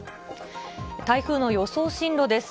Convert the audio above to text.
台風の予想進路です。